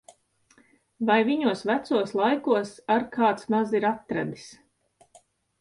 Vai viņos vecos laikos ar kāds maz ir atradis!